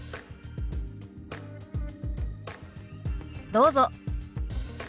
どうぞ。